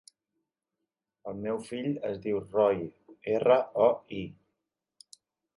El meu fill es diu Roi: erra, o, i.